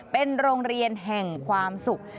เป็นโรงเรียนแห่งความสุข